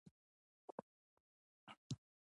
ناهمجنسه فلزي پاڼې الکتروسکوپ فعالیت کولی شي؟